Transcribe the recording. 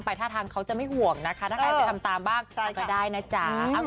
ท่าทางเขาจะไม่ห่วงนะคะถ้าใครไปทำตามบ้างไปก็ได้นะจ๊ะ